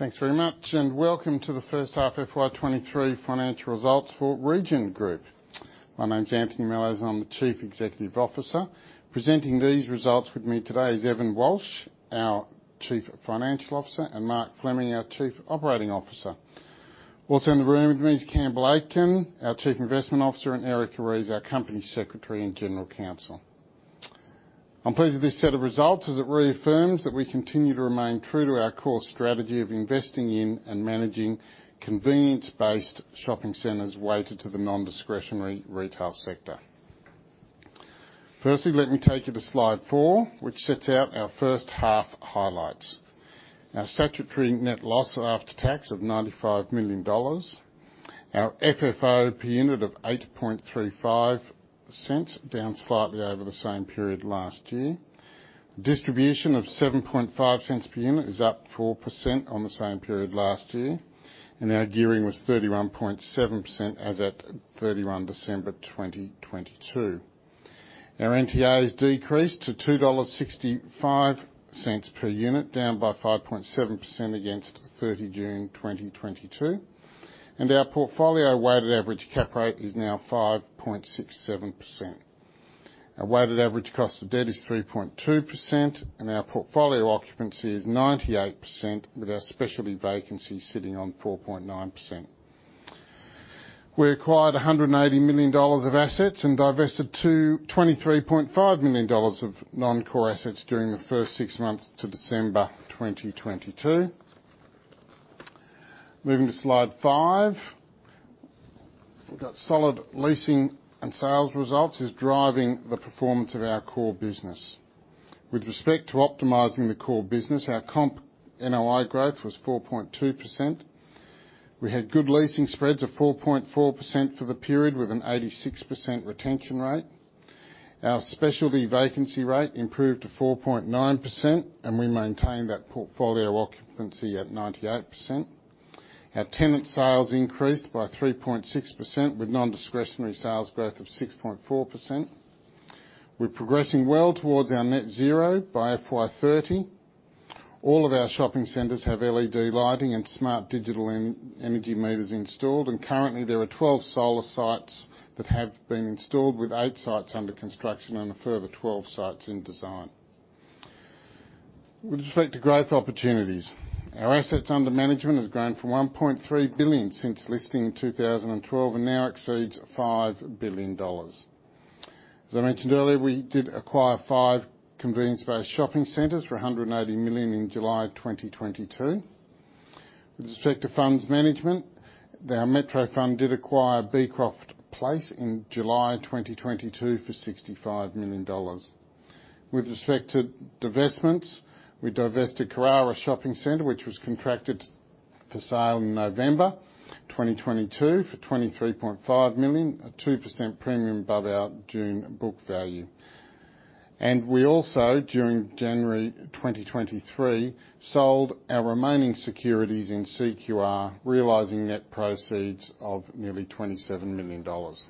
Thanks very much, welcome to the first half FY23 Financial Results for Region Group. My name's Anthony Mellowes and I'm the Chief Executive Officer. Presenting these results with me today is Evan Walsh, our Chief Financial Officer, and Mark Fleming, our Chief Operating Officer. Also in the room with me is Campbell Aitken, our Chief Investment Officer, and Erica Rees, our Company Secretary and General Counsel. I'm pleased with this set of results as it reaffirms that we continue to remain true to our core strategy of investing in and managing convenience-based shopping centers weighted to the nondiscretionary retail sector. Firstly, let me take you to slide four, which sets out our first half highlights. Our statutory net loss after tax of 95 million dollars. Our FFO per unit of 0.0835, down slightly over the same period last year. Distribution of 0.075 per unit is up 4% on the same period last year. Our gearing was 31.7% as at December 31, 2022. Our NTA decreased to 2.65 dollars per unit, down by 5.7% against June 30, 2022. Our portfolio weighted average cap rate is now 5.67%. Our weighted average cost of debt is 3.2%, and our portfolio occupancy is 98% with our specialty vacancy sitting on 4.9%. We acquired 180 million dollars of assets and divested 23.5 million dollars of non-core assets during the first six months to December 2022. Moving to Slide five. We've got solid leasing and sales results is driving the performance of our core business. With respect to optimizing the core business, our comp NOI growth was 4.2%. We had good leasing spreads of 4.4% for the period with an 86% retention rate. Our specialty vacancy rate improved to 4.9%. We maintained that portfolio occupancy at 98%. Our tenant sales increased by 3.6% with non-discretionary sales growth of 6.4%. We're progressing well towards our net zero by FY30. All of our shopping centers have LED lighting and smart digital energy meters installed. Currently there are 12 solar sites that have been installed with eight sites under construction and a further 12 sites in design. With respect to growth opportunities. Our assets under management has grown from 1.3 billion since listing in 2012 and now exceeds 5 billion dollars. As I mentioned earlier, we did acquire five convenience-based shopping centers for 180 million in July of 2022. With respect to funds management, our Metro Fund did acquire Beecroft Place in July 2022 for 65 million dollars. With respect to divestments, we divested Carrara Shopping Centre, which was contracted for sale in November 2022 for 23.5 million, a 2% premium above our June book value. We also, during January 2023, sold our remaining securities in CQR, realizing net proceeds of nearly 27 million dollars.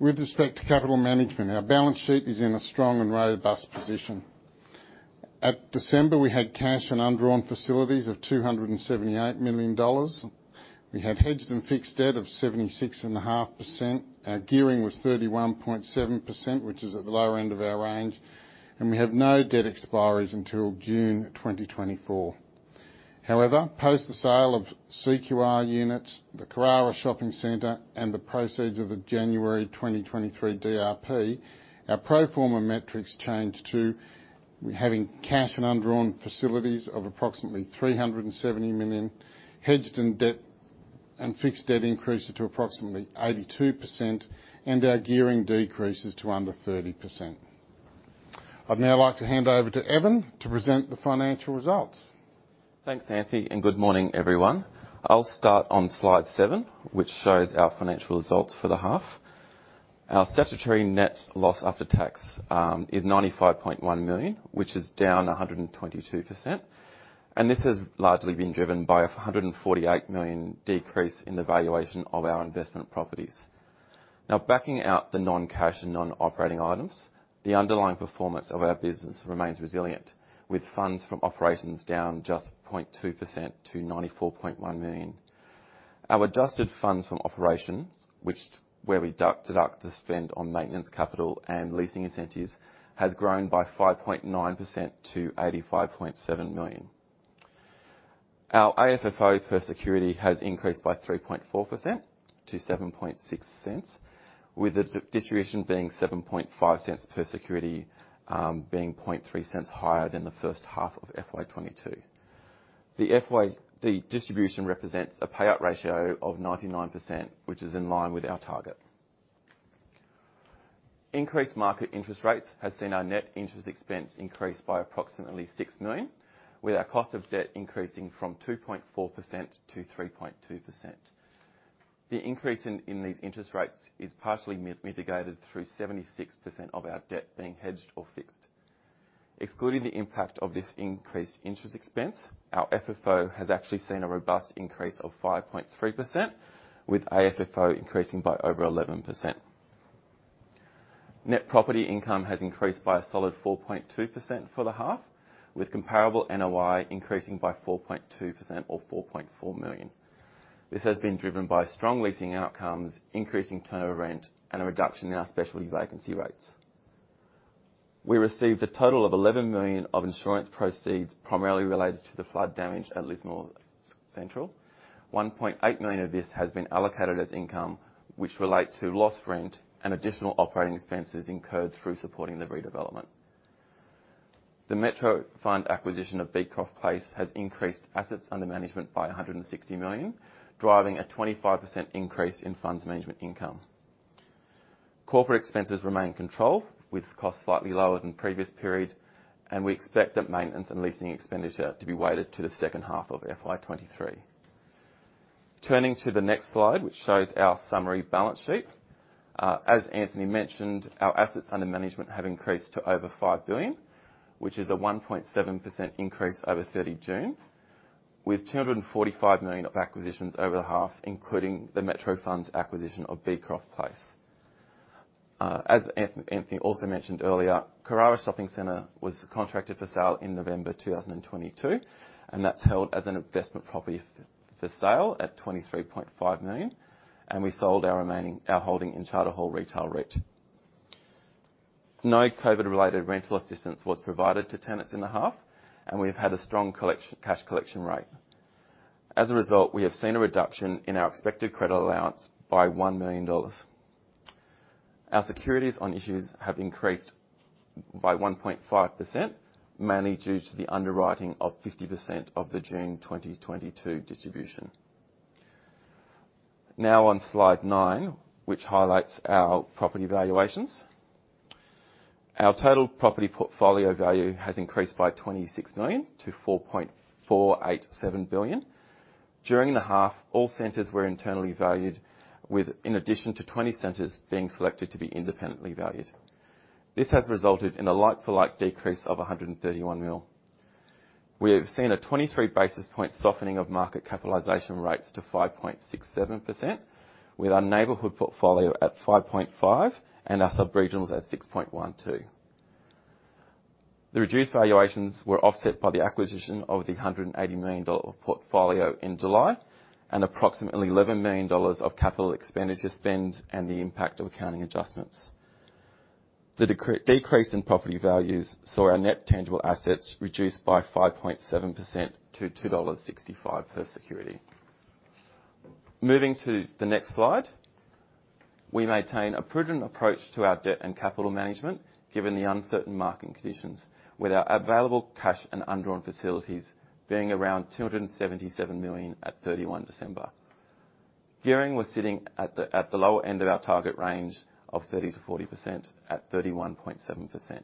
With respect to capital management, our balance sheet is in a strong and robust position. At December, we had cash and undrawn facilities of 278 million dollars. We had hedged and fixed debt of 76.5%. Our gearing was 31.7%, which is at the lower end of our range. We have no debt expiries until June 2024. However, post the sale of CQR units, the Carrara Shopping Centre, and the proceeds of the January 2023 DRP, our pro forma metrics change to we're having cash and undrawn facilities of approximately 370 million, hedged in debt and fixed debt increases to approximately 82%, and our gearing decreases to under 30%. I'd now like to hand over to Evan to present the financial results. Thanks, Anthony, and good morning, everyone. I'll start on slide seven, which shows our financial results for the half. Our statutory net loss after tax is 95.1 million, which is down 122%. This has largely been driven by a 148 million decrease in the valuation of our investment properties. Now, backing out the non-cash and non-operating items, the underlying performance of our business remains resilient, with funds from operations down just 0.2% to 94.1 million. Our adjusted funds from operations, where we deduct the spend on maintenance, capital, and leasing incentives, has grown by 5.9% to 85.7 million. Our AFFO per security has increased by 3.4% to 0.076, with the distribution being 0.075 per security, being 0.003 higher than the first half of FY22. The distribution represents a payout ratio of 99%, which is in line with our target. Increased market interest rates has seen our net interest expense increase by approximately 6 million, with our cost of debt increasing from 2.4% to 3.2%. The increase in these interest rates is partially mitigated through 76% of our debt being hedged or fixed. Excluding the impact of this increased interest expense, our FFO has actually seen a robust increase of 5.3%, with AFFO increasing by over 11%. Net property income has increased by a solid 4.2% for the half, with comparable NOI increasing by 4.2% or 4.4 million. This has been driven by strong leasing outcomes, increasing turnover rent, and a reduction in our specialty vacancy rates. We received a total of 11 million of insurance proceeds, primarily related to the flood damage at Lismore Central. 1.8 million of this has been allocated as income, which relates to lost rent and additional operating expenses incurred through supporting the redevelopment. The Metro Fund acquisition of Beecroft Place has increased assets under management by 160 million, driving a 25% increase in funds management income. Corporate expenses remain controlled, with costs slightly lower than previous period, we expect that maintenance and leasing expenditure to be weighted to the second half of FY23. Turning to the next slide, which shows our summary balance sheet. As Anthony Mellowes mentioned, our assets under management have increased to over 5 billion, which is a 1.7% increase over 30 June, with 245 million of acquisitions over the half, including the Metro Fund's acquisition of Beecroft Place. As Anthony Mellowes also mentioned earlier, Carrara Shopping Centre was contracted for sale in November 2022, and that's held as an investment property for sale at 23.5 million, and we sold our remaining our holding in Charter Hall Retail REIT. No COVID-related rental assistance was provided to tenants in the half, we've had a strong cash collection rate. We have seen a reduction in our expected credit loss by 1 million dollars. Our securities on issues have increased by 1.5%, mainly due to the underwriting of 50% of the June 2022 distribution. On slide nine, which highlights our property valuations. Our total property portfolio value has increased by 26 million to 4.487 billion. During the half, all centers were internally valued with, in addition to 20 centers being selected to be independently valued. This has resulted in a like-for-like decrease of 131 million. We have seen a 23 basis point softening of market capitalization rates to 5.67%, with our Neighborhood portfolio at 5.5% and our Sub-regionals at 6.12%. The reduced valuations were offset by the acquisition of the 180 million dollar portfolio in July and approximately 11 million dollars of capital expenditure spend and the impact of accounting adjustments. The decrease in property values saw our net tangible assets reduced by 5.7% to 2.65 dollars per security. Moving to the next slide. We maintain a prudent approach to our debt and capital management given the uncertain market conditions, with our available cash and undrawn facilities being around 277 million at 31 December. Gearing was sitting at the lower end of our target range of 30%-40% at 31.7%.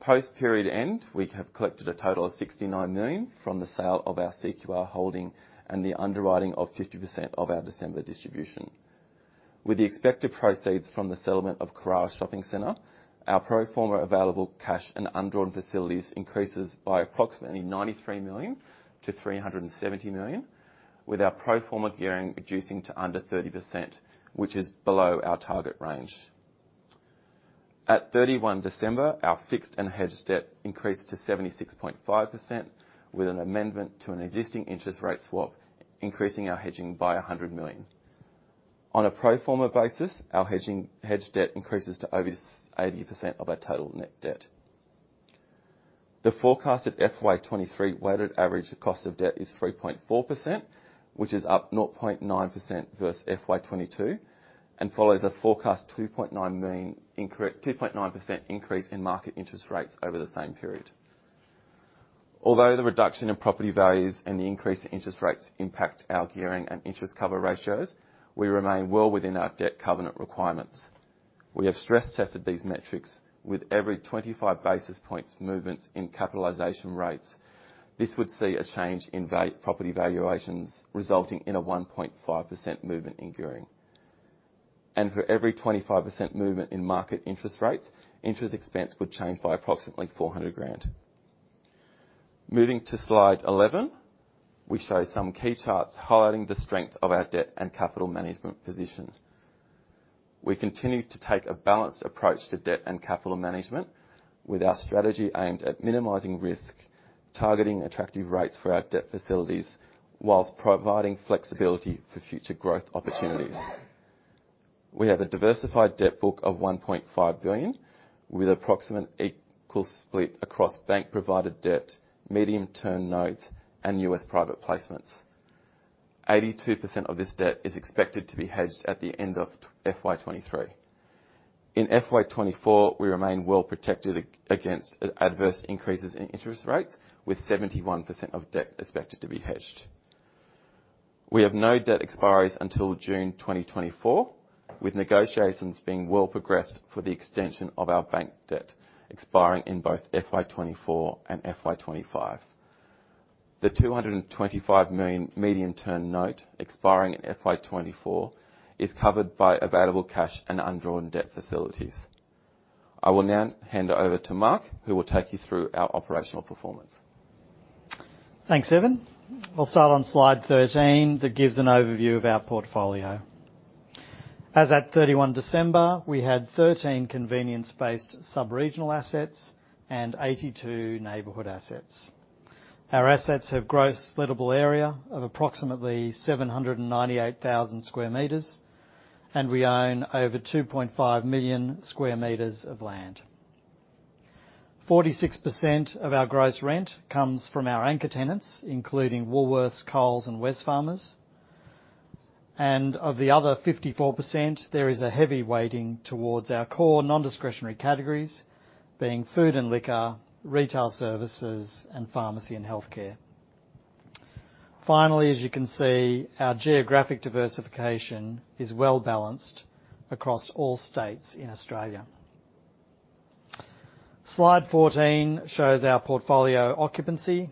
Post-period end, we have collected a total of 69 million from the sale of our CQR holding and the underwriting of 50% of our December distribution. With the expected proceeds from the settlement of Carrara Shopping Centre, our pro forma available cash and undrawn facilities increases by approximately 93 million to 370 million, with our pro forma gearing reducing to under 30%, which is below our target range. At 31 December, our fixed and hedged debt increased to 76.5% with an amendment to an existing interest rate swap, increasing our hedging by 100 million. On a pro forma basis, our hedged debt increases to over 80% of our total net debt. The forecasted FY23 weighted average cost of debt is 3.4%, which is up 0.9% versus FY22 and follows a forecast 2.9% increase in market interest rates over the same period. Although the reduction in property values and the increase in interest rates impact our gearing and interest cover ratios, we remain well within our debt covenant requirements. We have stress tested these metrics with every 25 basis points movements in capitalization rates. This would see a change in property valuations, resulting in a 1.5% movement in gearing. For every 25% movement in market interest rates, interest expense would change by approximately 400,000. Moving to slide 11, we show some key charts highlighting the strength of our debt and capital management position. We continue to take a balanced approach to debt and capital management with our strategy aimed at minimizing risk, targeting attractive rates for our debt facilities, whilst providing flexibility for future growth opportunities. We have a diversified debt book of 1.5 billion with approximate equal split across bank-provided debt, medium-term notes, and US private placements. 82% of this debt is expected to be hedged at the end of FY23. In FY24, we remain well protected against adverse increases in interest rates with 71% of debt expected to be hedged. We have no debt expiries until June 2024, with negotiations being well progressed for the extension of our bank debt expiring in both FY24 and FY25. The 225 million medium-term note expiring in FY24 is covered by available cash and undrawn debt facilities. I will now hand over to Mark, who will take you through our operational performance. Thanks, Evan. We'll start on slide 13 that gives an overview of our portfolio. As at 31 December, we had 13 convenience-based sub-regional assets and 82 neighborhood assets. Our assets have gross lettable area of approximately 798,000 square meters, and we own over 2.5 million square meters of land. 46% of our gross rent comes from our anchor tenants, including Woolworths, Coles, and Wesfarmers. Of the other 54%, there is a heavy weighting towards our core non-discretionary categories being food and liquor, retail services, and pharmacy and healthcare. As you can see, our geographic diversification is well-balanced across all states in Australia. Slide 14 shows our portfolio occupancy.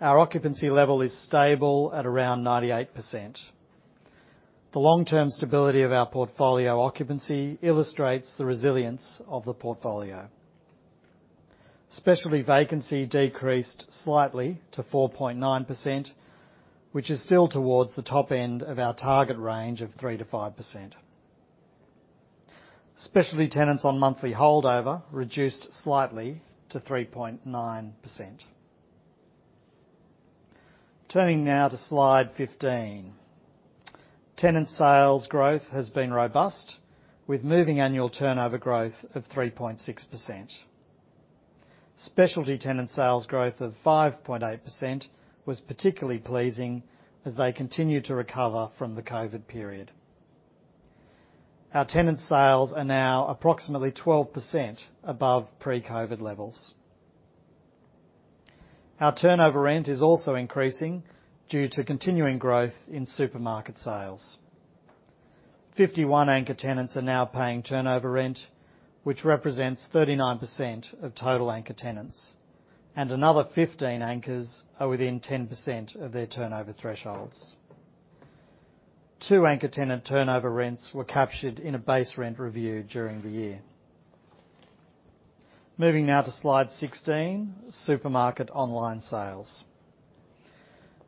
Our occupancy level is stable at around 98%. The long-term stability of our portfolio occupancy illustrates the resilience of the portfolio. Specialty vacancy decreased slightly to 4.9%, which is still towards the top end of our target range of 3%-5%. Specialty tenants on monthly holdover reduced slightly to 3.9%. Turning now to slide 15. Tenant sales growth has been robust, with moving annual turnover growth of 3.6%. Specialty tenant sales growth of 5.8% was particularly pleasing as they continue to recover from the COVID period. Our tenant sales are now approximately 12% above pre-COVID levels. Our turnover rent is also increasing due to continuing growth in supermarket sales. 51 anchor tenants are now paying turnover rent, which represents 39% of total anchor tenants, and another 15 anchors are within 10% of their turnover thresholds. Two anchor tenant turnover rents were captured in a base rent review during the year. Moving now to slide 16, supermarket online sales.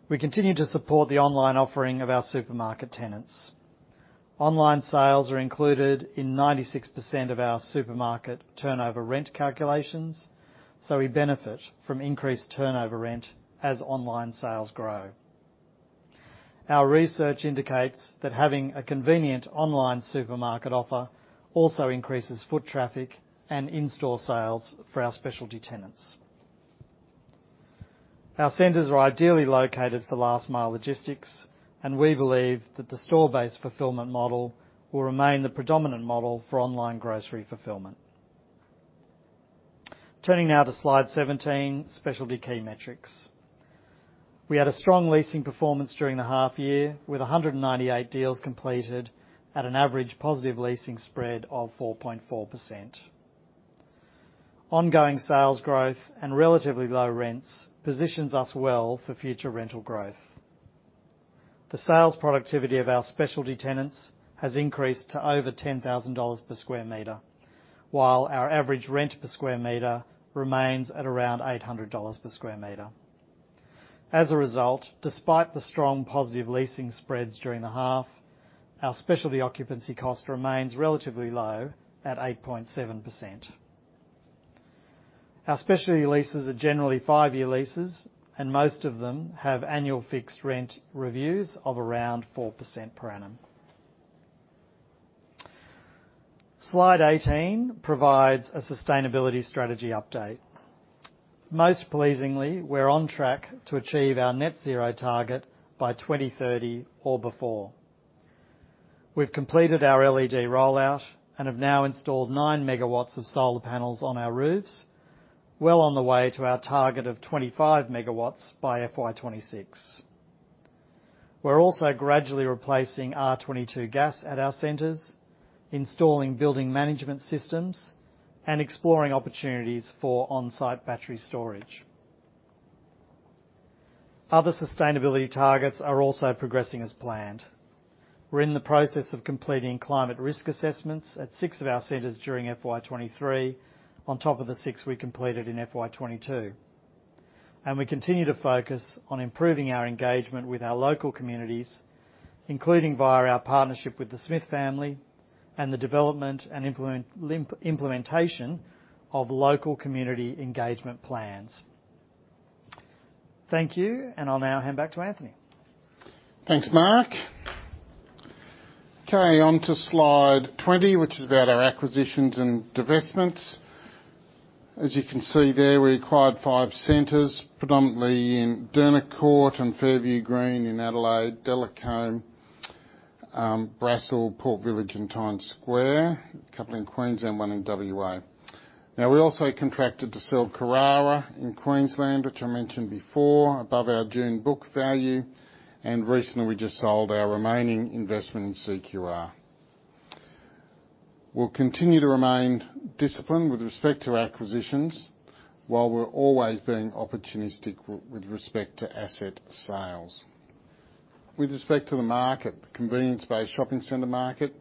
We continue to support the online offering of our supermarket tenants. Online sales are included in 96% of our supermarket turnover rent calculations. We benefit from increased turnover rent as online sales grow. Our research indicates that having a convenient online supermarket offer also increases foot traffic and in-store sales for our specialty tenants. Our centers are ideally located for last mile logistics. We believe that the store-based fulfillment model will remain the predominant model for online grocery fulfillment. Turning now to slide 17, specialty key metrics. We had a strong leasing performance during the half year with 198 deals completed at an average positive leasing spread of 4.4%. Ongoing sales growth and relatively low rents positions us well for future rental growth. The sales productivity of our specialty tenants has increased to over 10,000 dollars per square meter, while our average rent per square meter remains at around 800 dollars per square meter. As a result, despite the strong positive leasing spreads during the half, our specialty occupancy cost remains relatively low at 8.7%. Our specialty leases are generally five-year leases, and most of them have annual fixed rent reviews of around 4% per annum. Slide 18 provides a sustainability strategy update. Most pleasingly, we're on track to achieve our net zero target by 2030 or before. We've completed our LED rollout and have now installed nine megawatts of solar panels on our roofs. Well on the way to our target of 25 megawatts by FY26. We're also gradually replacing R22 gas at our centers, installing building management systems, and exploring opportunities for on-site battery storage. Other sustainability targets are also progressing as planned. We're in the process of completing climate risk assessments at six of our centers during FY23 on top of the six we completed in FY22. We continue to focus on improving our engagement with our local communities, including via our partnership with The Smith Family and the development and implementation of local community engagement plans. Thank you, and I'll now hand back to Anthony. Thanks, Mark. Okay, on to slide 20, which is about our acquisitions and divestments. As you can see there, we acquired five centers, predominantly in Dernancourt and Fairview Green in Adelaide, Delacombe, Brassall, Port Village, and Cairns Square, a couple in Queensland, one in WA. We also contracted to sell Carrara in Queensland, which I mentioned before, above our June book value, and recently we just sold our remaining investment in CQR. We'll continue to remain disciplined with respect to acquisitions while we're always being opportunistic with respect to asset sales. With respect to the market, the convenience-based shopping center market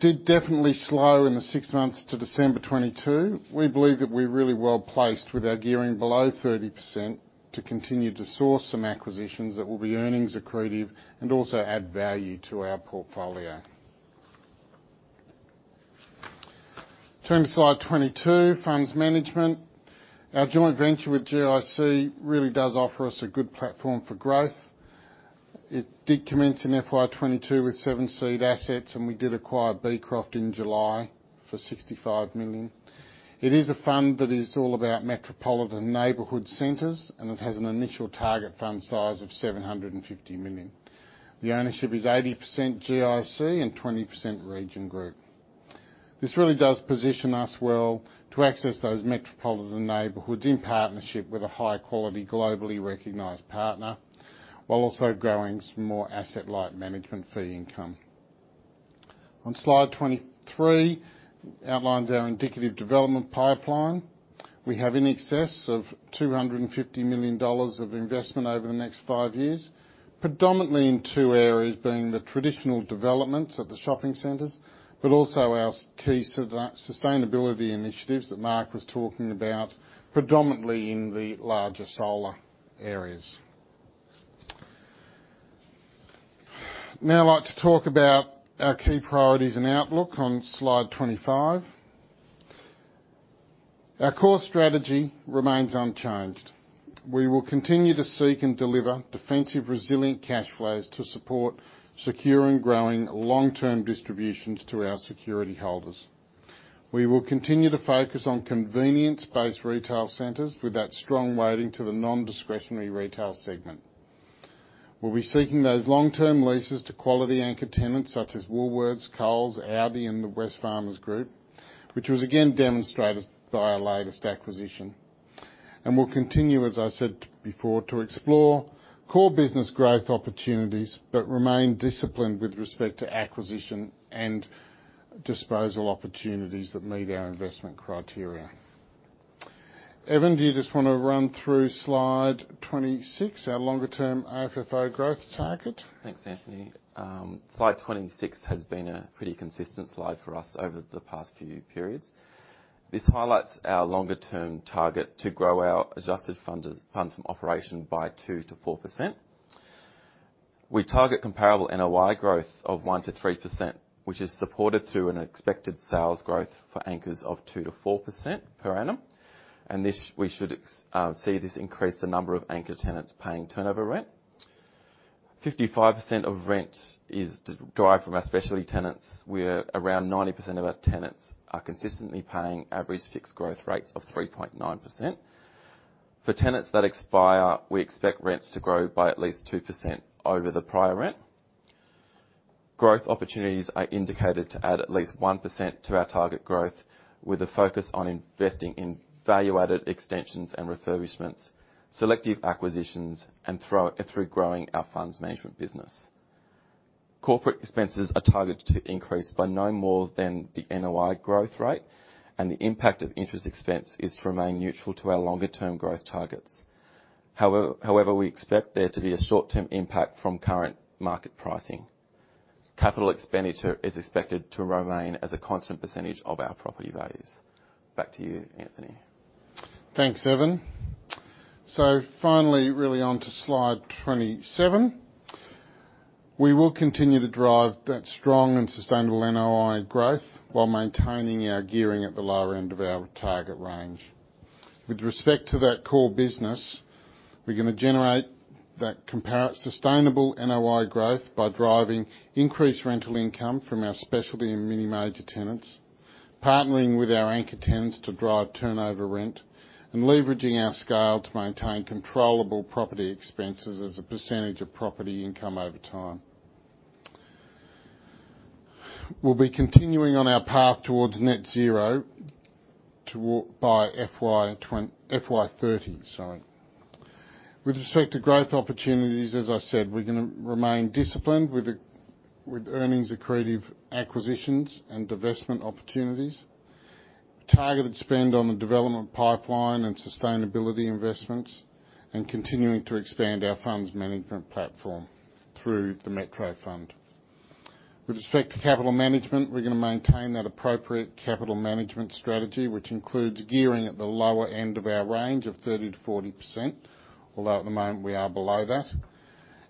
did definitely slow in the six months to December 2022. We believe that we're really well-placed with our gearing below 30% to continue to source some acquisitions that will be earnings accretive and also add value to our portfolio. Turning to slide 22, Funds Management. Our joint venture with GIC really does offer us a good platform for growth. It did commence in FY22 with seven seed assets, and we did acquire Beecroft in July for AUD 65 million. It is a fund that is all about metropolitan neighborhood centers, and it has an initial target fund size of 750 million. The ownership is 80% GIC and 20% Region Group. This really does position us well to access those metropolitan neighborhoods in partnership with a high-quality, globally recognized partner, while also growing some more asset-light management fee income. On slide 23 outlines our indicative development pipeline. We have in excess of 250 million dollars of investment over the next five years, predominantly in two areas, being the traditional developments of the shopping centers, but also our sustainability initiatives that Mark was talking about, predominantly in the larger solar areas. I'd like to talk about our key priorities and outlook on slide 25. Our core strategy remains unchanged. We will continue to seek and deliver defensive, resilient cash flows to support secure and growing long-term distributions to our security holders. We will continue to focus on convenience-based retail centers with that strong weighting to the nondiscretionary retail segment. We'll be seeking those long-term leases to quality anchor tenants such as Woolworths, Coles, Aldi and the Wesfarmers Group, which was again demonstrated by our latest acquisition. We'll continue, as I said before, to explore core business growth opportunities but remain disciplined with respect to acquisition and disposal opportunities that meet our investment criteria. Evan, do you just wanna run through slide 26, our longer-term AFFO growth target? Thanks, Anthony. Slide 26 has been a pretty consistent slide for us over the past few periods. This highlights our longer-term target to grow our adjusted funds from operation by 2%-4%. We target comparable NOI growth of 1%-3%, which is supported through an expected sales growth for anchors of 2%-4% per annum. This, we should see this increase the number of anchor tenants paying turnover rent. 55% of rent is derived from our specialty tenants, where around 90% of our tenants are consistently paying average fixed growth rates of 3.9%. For tenants that expire, we expect rents to grow by at least 2% over the prior rent. Growth opportunities are indicated to add at least 1% to our target growth, with a focus on investing in value-added extensions and refurbishments, selective acquisitions, and through growing our funds management business. Corporate expenses are targeted to increase by no more than the NOI growth rate. The impact of interest expense is to remain neutral to our longer-term growth targets. However, we expect there to be a short-term impact from current market pricing. Capital expenditure is expected to remain as a constant % of our property values. Back to you, Anthony. Thanks, Evan. Finally, really, onto slide 27. We will continue to drive that strong and sustainable NOI growth while maintaining our gearing at the lower end of our target range. With respect to that core business, we're going to generate that compare sustainable NOI growth by driving increased rental income from our specialty and mini-major tenants, partnering with our anchor tenants to drive turnover rent, and leveraging our scale to maintain controllable property expenses as a % of property income over time. We'll be continuing on our path towards net zero by FY30, sorry. With respect to growth opportunities, as I said, we're going to remain disciplined with earnings-accretive acquisitions and divestment opportunities, targeted spend on the development pipeline and sustainability investments, and continuing to expand our funds management platform through the Metro Fund. With respect to capital management, we're gonna maintain that appropriate capital management strategy, which includes gearing at the lower end of our range of 30%-40%. At the moment, we are below that.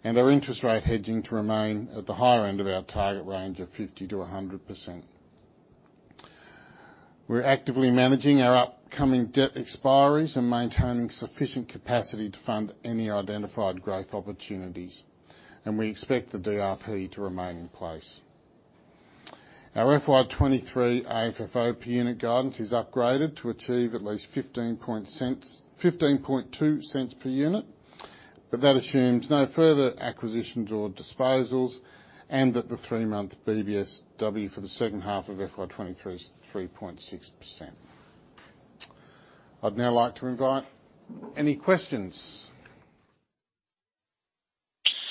Our interest rate hedging to remain at the higher end of our target range of 50%-100%. We're actively managing our upcoming debt expiries and maintaining sufficient capacity to fund any identified growth opportunities, and we expect the DRP to remain in place. Our FY23 AFFO per unit guidance is upgraded to achieve at least 0.152 per unit, that assumes no further acquisitions or disposals and that the three-month BBSW for the second half of FY23 is 3.6%. I'd now like to invite any questions.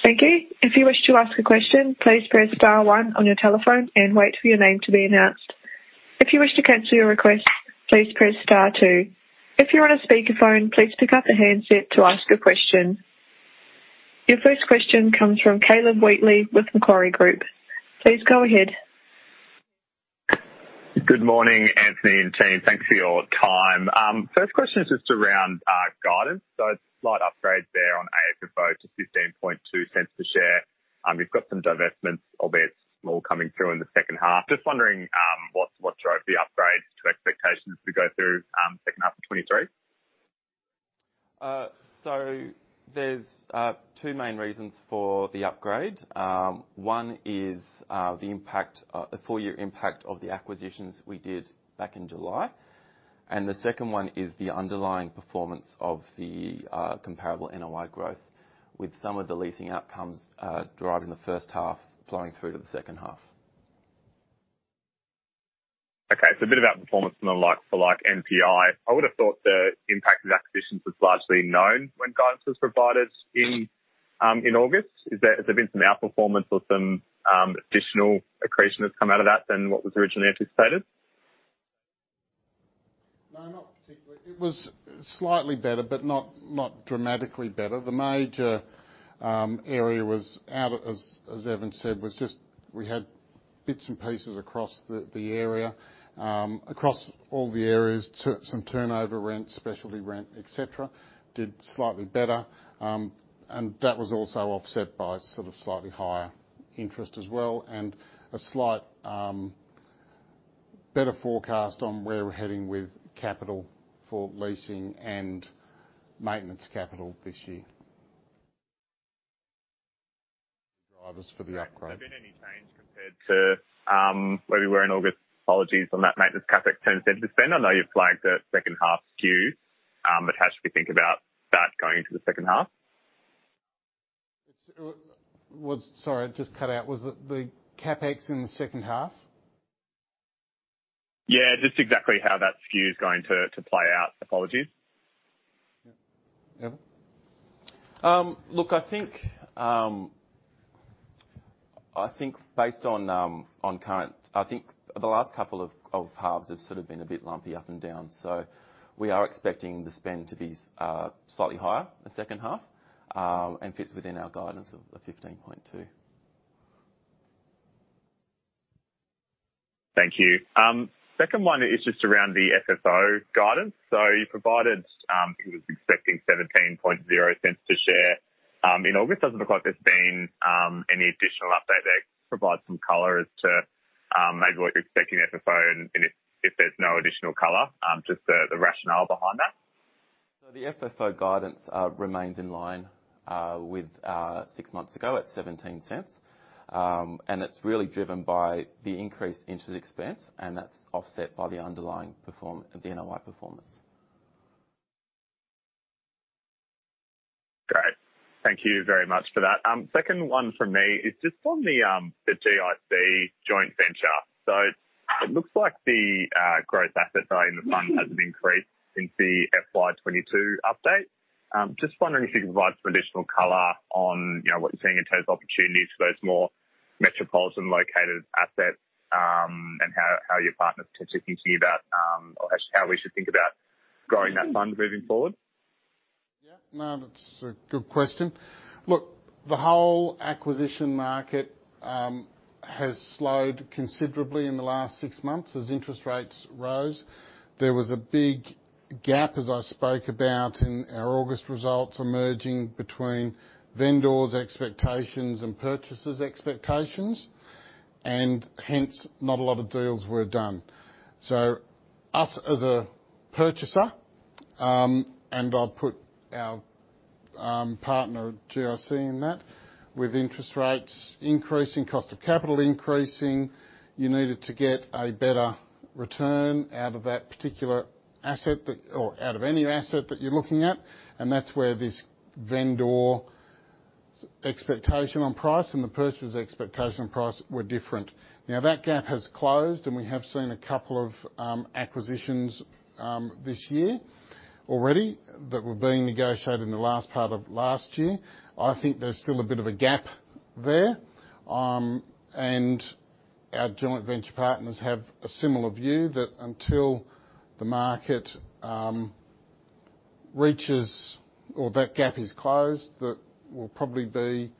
Thank you. If you wish to ask a question, please press star one on your telephone and wait for your name to be announced. If you wish to cancel your request, please press star two. If you're on a speakerphone, please pick up the handset to ask a question. Your first question comes from Caleb Wheatley with Macquarie Group. Please go ahead. Good morning, Anthony and team. Thanks for your time. First question is just around guidance. Slight upgrades there on AFFO to 0.152 per share. We've got some divestments, albeit small, coming through in the second half. Just wondering what drove the upgrades to expectations to go through second half of 2023. There's two main reasons for the upgrade. One is the impact, the full year impact of the acquisitions we did back in July. The second one is the underlying performance of the comparable NOI growth, with some of the leasing outcomes driving the first half flowing through to the second half. A bit about performance from the like for like NPI. I would have thought the impact of the acquisitions was largely known when guidance was provided in August. Has there been some outperformance or some additional accretion that's come out of that than what was originally anticipated? No, not particularly. It was slightly better, but not dramatically better. The major area was out, as Evan Walsh said, was just we had bits and pieces across the area, across all the areas, some turnover rent, specialty rent, et cetera, did slightly better. That was also offset by sort of slightly higher interest as well. A slight better forecast on where we're heading with capital for leasing and maintenance capital this year. Drivers for the upgrade. Have there been any change compared to where we were in August? Apologies on that maintenance CapEx AUD 0.10 a spend. I know you flagged a second half skew, how should we think about that going into the second half? Sorry, it just cut out. Was it the CapEx in the second half? Yeah, just exactly how that skew is going to play out. Apologies. Yeah. Evan? Look, I think, I think based on current, I think the last couple of halves have sort of been a bit lumpy up and down. We are expecting the spend to be slightly higher the second half, and fits within our guidance of the 15.2. Thank you. Second one is just around the FFO guidance. You provided, I think it was expecting 0.170 per share in August. Doesn't look like there's been any additional update there? Provide some color as to maybe what you're expecting FFO and if there's no additional color, just the rationale behind that. The FFO guidance remains in line with six months ago at 0.17. It is really driven by the increased interest expense, and that is offset by the NOI performance. Great. Thank you very much for that. Second one from me is just on the GIC joint venture. It looks like the growth assets are in the fund has increased since the FY22 update. Just wondering if you could provide some additional color on, you know, what you're seeing in terms of opportunities for those more metropolitan located assets, and how your partners potentially thinking about, or how we should think about growing that fund moving forward? Yeah. No, that's a good question. Look, the whole acquisition market has slowed considerably in the last six months as interest rates rose. There was a big gap, as I spoke about in our August results, emerging between vendors' expectations and purchasers' expectations, and hence not a lot of deals were done. Us as a purchaser, and I'll put our partner GIC in that, with interest rates increasing, cost of capital increasing, you needed to get a better return out of that particular asset that, or out of any asset that you're looking at, and that's where this vendor expectation on price and the purchaser's expectation on price were different. That gap has closed, and we have seen a couple of acquisitions this year already that were being negotiated in the last part of last year. I think there's still a bit of a gap there. Our joint venture partners have a similar view that until the market reaches or that gap is closed, we'll probably be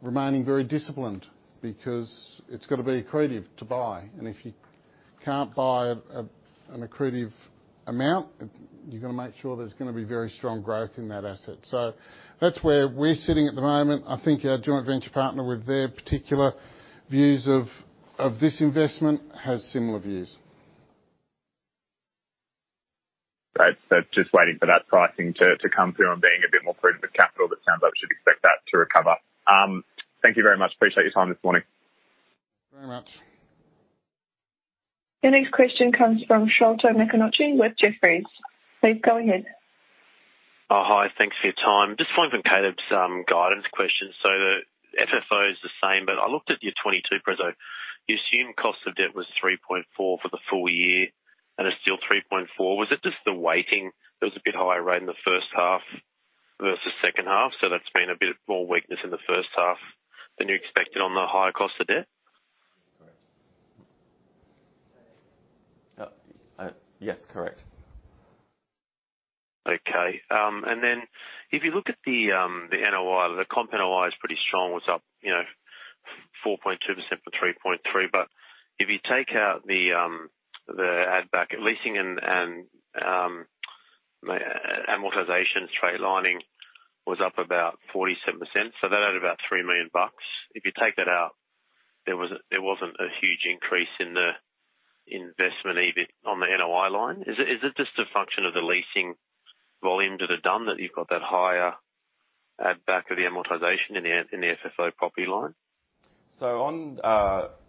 remaining very disciplined because it's got to be accretive to buy. If you can't buy an accretive amount, you've got to make sure there's going to be very strong growth in that asset. That's where we're sitting at the moment. I think our joint venture partner with their particular views of this investment has similar views. Great. Just waiting for that pricing to come through and being a bit more prudent with capital, that sounds like we should expect that to recover. Thank you very much. Appreciate your time this morning. Very much. Your next question comes from Sholto Macpherson with Jefferies. Please go ahead. Hi. Thanks for your time. Just following from Caleb's guidance question. The FFO is the same, but I looked at your 22 preso. The assumed cost of debt was 3.4 for the full year, and it's still 3.4. Was it just the weighting that was a bit higher rate in the first half versus second half? That's been a bit more weakness in the first half than you expected on the higher cost of debt? Yes, correct. If you look at the NOI, the comp NOI is pretty strong. It's up, you know, 4.2% for 3.3%. If you take out the ad back leasing and amortization straight lining was up about 47%, so that added about 3 million bucks. If you take that out, there wasn't a huge increase in the investment, even on the NOI line. Is it just a function of the leasing volume that are done that you've got that higher ad back of the amortization in the FFO property line?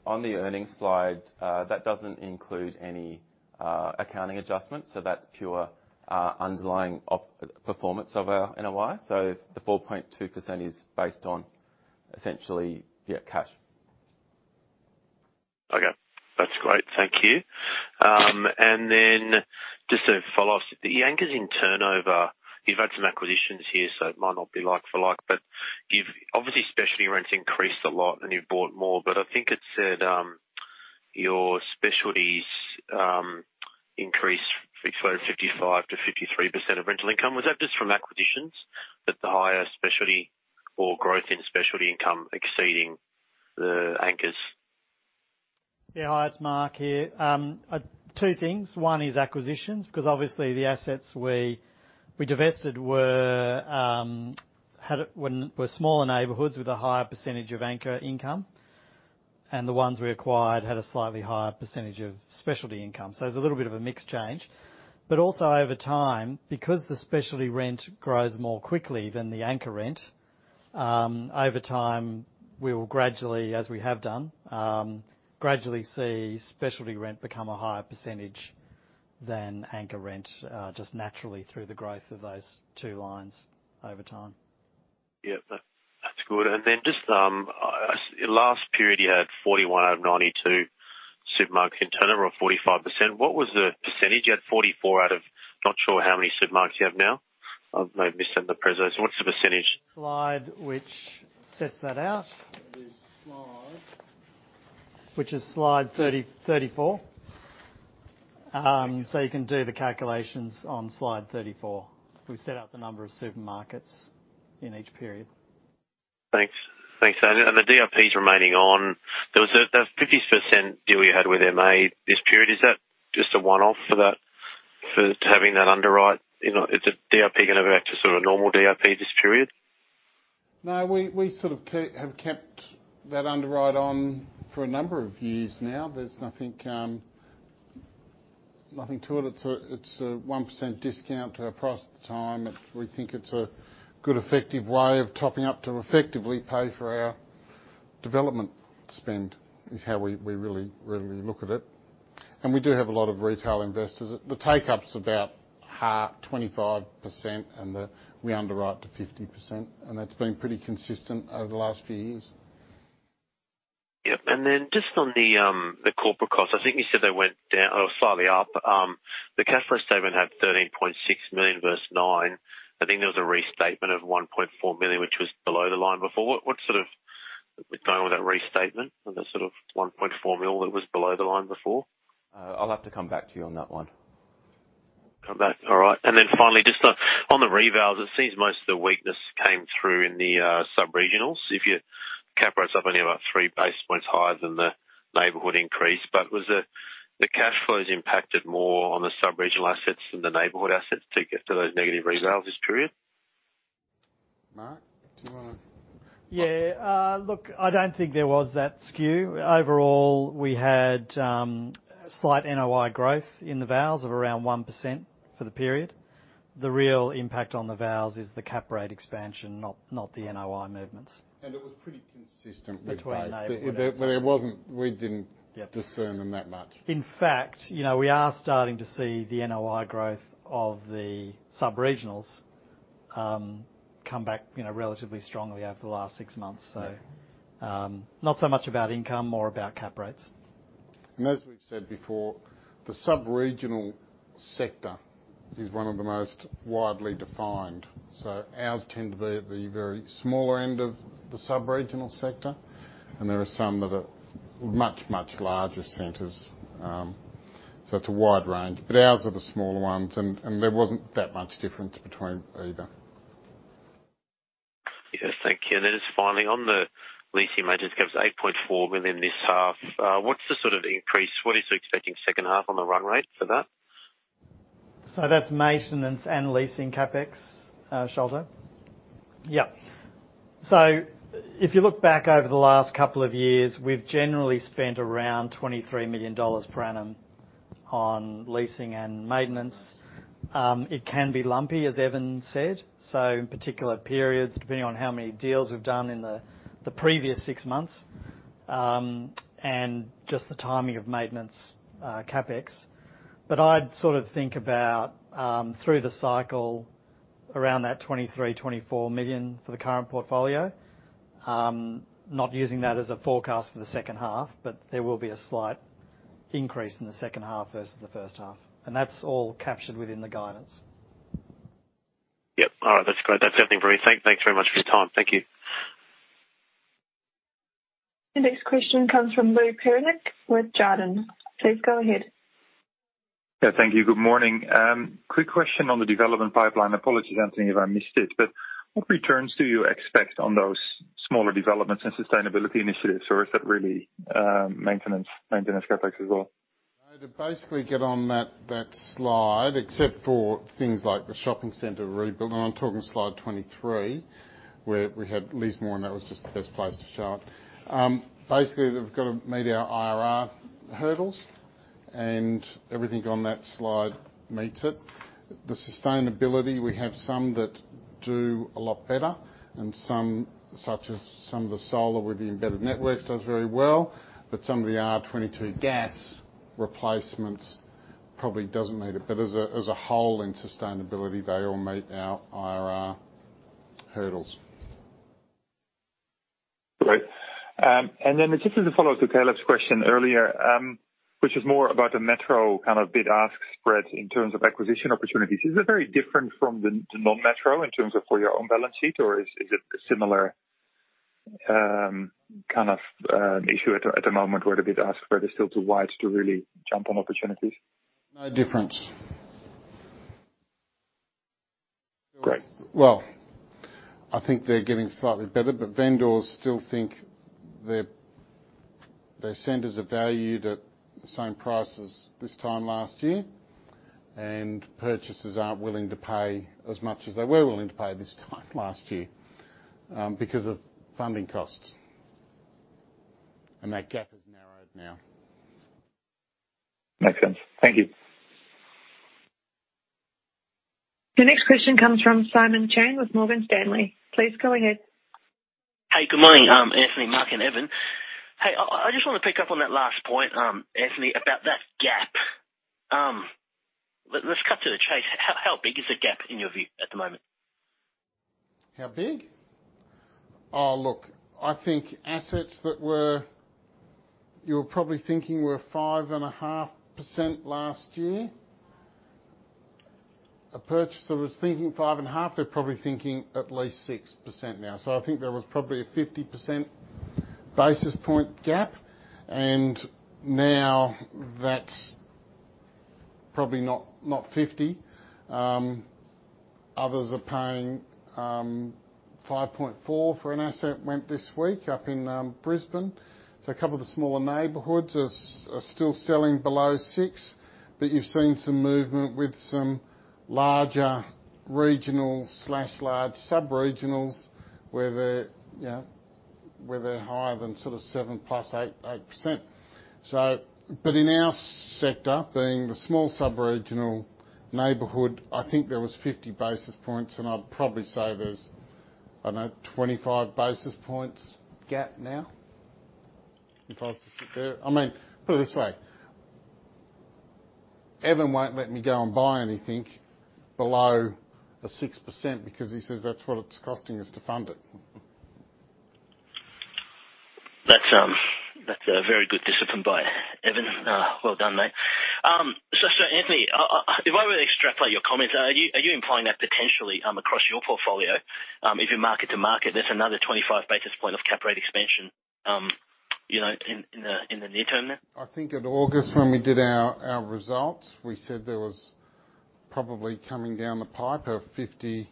On the earnings slide, that doesn't include any accounting adjustments. That's pure, underlying op-performance of our NOI. The 4.2% is based on essentially, yeah, cash. Okay. That's great. Thank you. Just to follow up, the anchors in turnover, you've had some acquisitions here, so it might not be like for like, but you've obviously specialty rents increased a lot and you've bought more. I think it said, your specialties increased from 55% to 53% of rental income. Was that just from acquisitions that the higher specialty or growth in specialty income exceeding the anchors? Yeah. Hi, it's Mark here. two things. One is acquisitions, because obviously the assets we divested were smaller neighborhoods with a higher % of anchor income, and the ones we acquired had a slightly higher % of specialty income. There's a little bit of a mix change. Also over time, because the specialty rent grows more quickly than the anchor rent, over time, we will gradually, as we have done, gradually see specialty rent become a higher % than anchor rent, just naturally through the growth of those two lines over time. Yeah. That, that's good. Just last period, you had 41 out of 92 supermarket turnover of 45%. What was the percentage at 44 out of, not sure how many supermarkets you have now? I may have missed that in the presentation. What's the percentage? Slide which sets that out. It is slide. Which is slide 30, 34. You can do the calculations on slide 34. We set out the number of supermarkets in each period. Thanks. Thanks. The DRPs remaining on, there was a 50% deal you had with MA this period. Is that just a one-off for that, for having that underwrite? You know, is the DRP going to go back to sort of normal DRP this period? We sort of have kept that underwrite on for a number of years now. There's nothing to it. It's a 1% discount to our price at the time. We think it's a good effective way of topping up to effectively pay for our development spend, is how we really look at it. We do have a lot of retail investors. The take up is about half, 25%, we underwrite to 50%, that's been pretty consistent over the last few years. Yep. Just on the corporate costs, I think you said they went down or slightly up. The cash flow statement had 13.6 million versus 9 million. I think there was a restatement of 1.4 million, which was below the line before. What sort of was going on with that restatement and the sort of 1.4 million that was below the line before? I'll have to come back to you on that one. Come back. All right. Finally, just on the revals, it seems most of the weakness came through in the sub-regionals. If your cap rate's up only about 3 basis points higher than the neighborhood increase. Was the cash flows impacted more on the sub-regional assets than the neighborhood assets to get to those negative revals this period? Mark, do you wanna? Yeah. look, I don't think there was that skew. Overall, we had slight NOI growth in the vals of around 1% for the period. The real impact on the vals is the cap rate expansion, not the NOI movements. It was pretty consistent with that. Between neighborhoods. We didn't- Yeah. discern them that much. In fact, you know, we are starting to see the NOI growth of the sub-regionals, come back, you know, relatively strongly over the last six months. Not so much about income, more about cap rates. As we've said before, the sub-regional sector is one of the most widely defined. Ours tend to be at the very smaller end of the sub-regional sector, and there are some that are much, much larger centers. It's a wide range. Ours are the smaller ones, and there wasn't that much difference between either. Yes. Thank you. Just finally on the leasing majors, CapEx of 8.4 million this half. What's the sort of increase, what is expecting second half on the run rate for that? That's maintenance and leasing CapEx, Shelto? Yeah. If you look back over the last couple of years, we've generally spent around 23 million dollars per annum on leasing and maintenance. It can be lumpy, as Evan said. In particular periods, depending on how many deals we've done in the previous six months, and just the timing of maintenance, CapEx. I'd sort of think about through the cycle around that 23 million-24 million for the current portfolio. Not using that as a forecast for the second half, but there will be a slight increase in the second half versus the first half. That's all captured within the guidance. Yep. All right. That's great. That's everything for me. Thanks very much for your time. Thank you. The next question comes from [inaudible] with Jarden. Please go ahead. Yeah. Thank you. Good morning. quick question on the development pipeline. Apologies, Anthony, if I missed it, but what returns do you expect on those smaller developments and sustainability initiatives, or is it really, maintenance CapEx as well? I had to basically get on that slide, except for things like the shopping center rebuild, I'm talking slide 23 where we had Lismore, that was just the best place to show it. Basically, they've got to meet our IRR hurdles and everything on that slide meets it. The sustainability, we have some that do a lot better and some, such as some of the solar with the embedded networks does very well, some of the R22 gas replacements probably doesn't meet it. As a, as a whole in sustainability, they all meet our IRR hurdles. Great. Then just as a follow-up to Caleb's question earlier, which is more about the metro kind of bid-ask spread in terms of acquisition opportunities. Is it very different from the non-metro in terms of for your own balance sheet, or is it a similar kind of issue at the moment where the bid-ask spread is still too wide to really jump on opportunities? No difference. Great. I think they're getting slightly better, but vendors still think their centers are valued at the same price as this time last year, and purchasers aren't willing to pay as much as they were willing to pay this time last year because of funding costs. That gap has narrowed now. Makes sense. Thank you. Your next question comes from Simon Chan with Morgan Stanley. Please go ahead. Hey, good morning, Anthony, Mark, and Evan. Hey, I just want to pick up on that last point, Anthony, about that gap. Let's cut to the chase. How big is the gap in your view at the moment? How big? Oh, look, you were probably thinking were 5.5% last year. A purchaser was thinking 5.5%, they're probably thinking at least 6% now. I think there was probably a 50 basis point gap, and now that's probably not 50. Others are paying 5.4% for an asset went this week up in Brisbane. A couple of the smaller neighborhoods are still selling below 6%, but you've seen some movement with some larger regional/large sub-regionals where they're, you know, higher than sort of 7% plus 8%. In our sector, being the small sub-regional neighborhood, I think there was 50 basis points, and I'd probably say there's, I don't know, 25 basis points gap now, if I was to sit there. I mean, put it this way, Evan won't let me go and buy anything below a 6% because he says that's what it's costing us to fund it. That's a very good discipline by Evan. Well done, mate. Anthony, if I were to extrapolate your comments, are you implying that potentially, across your portfolio, if you market to market, there's another 25 basis points of cap rate expansion, in the near term there? I think in August when we did our results, we said there was probably coming down the pipe a 50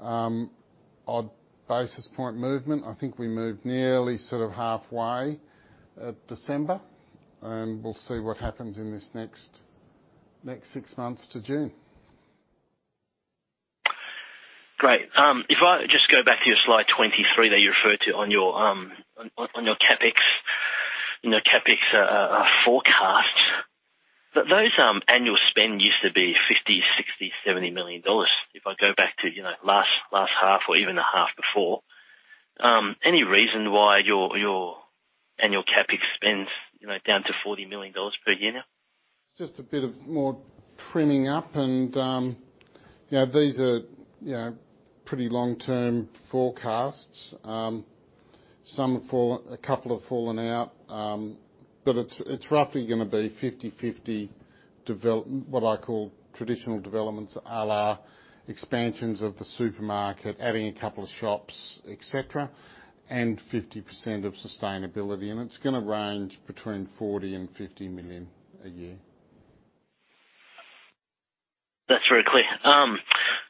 odd basis point movement. I think we moved nearly sort of halfway at December, and we'll see what happens in this next six months to June. Great. If I just go back to your slide 23 that you referred to on your CapEx forecasts. Those annual spend used to be 50 million, 60 million, 70 million dollars. If I go back to, you know, last half or even the half before, any reason why your annual CapEx spends, you know, down to 40 million dollars per year now? It's just a bit of more trimming up and, you know, these are, you know, pretty long-term forecasts. A couple have fallen out, but it's roughly gonna be 50/50 What I call traditional developments, à la expansions of the supermarket, adding a couple of shops, et cetera, and 50% of sustainability. It's gonna range between 40 million and 50 million a year. That's very clear.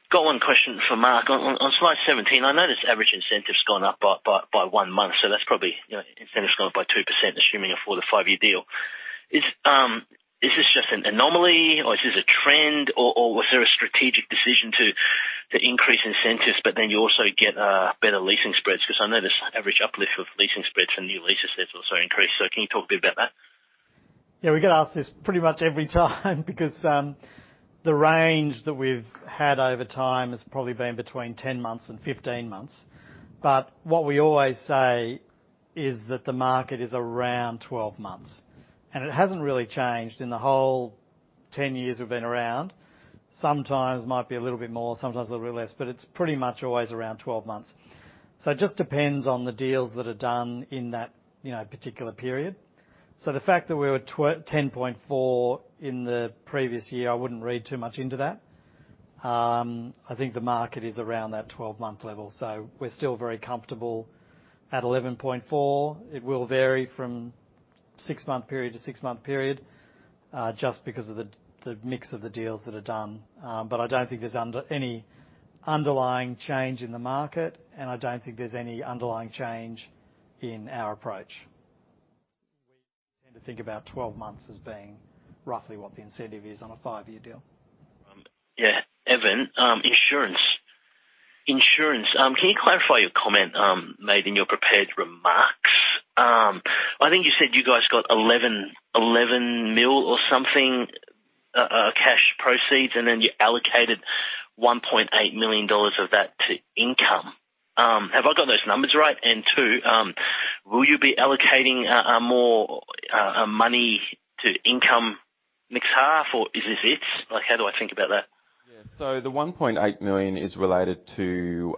Got one question for Mark. On slide 17, I notice average incentive's gone up by one month, so that's probably, you know, incentive's gone up by 2%, assuming a four to five year deal. Is this just an anomaly or is this a trend, or was there a strategic decision to increase incentives but then you also get better leasing spreads? I know there's average uplift of leasing spreads and new leases that's also increased. Can you talk a bit about that? We get asked this pretty much every time because the range that we've had over time has probably been between 10 months and 15 months. What we always say is that the market is around 12 months, and it hasn't really changed in the whole 10 years we've been around. Sometimes might be a little bit more, sometimes a little bit less, but it's pretty much always around 12 months. It just depends on the deals that are done in that, you know, particular period. The fact that we were 10.4 in the previous year, I wouldn't read too much into that. I think the market is around that 12-month level. We're still very comfortable at 11.4. It will vary from six-month period to six-month period, just because of the mix of the deals that are done. I don't think there's any underlying change in the market, and I don't think there's any underlying change in our approach. We tend to think about 12 months as being roughly what the incentive is on a five-year deal. Yeah. Evan, insurance. Can you clarify your comment made in your prepared remarks? I think you said you guys got 11 million or something, cash proceeds, and then you allocated 1.8 million dollars of that to income. Have I got those numbers right? Two, will you be allocating more money to income next half, or is this it? Like, how do I think about that? Yeah. The 1.8 million is related to